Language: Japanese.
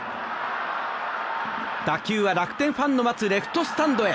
打球は楽天ファンの待つレフトスタンドへ。